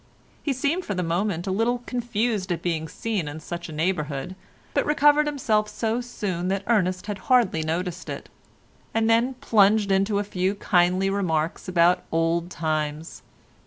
He seemed for the moment a little confused at being seen in such a neighbourhood, but recovered himself so soon that Ernest hardly noticed it, and then plunged into a few kindly remarks about old times.